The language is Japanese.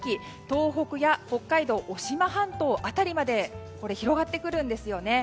東北や、北海道の渡島半島辺りまで広がってくるんですよね。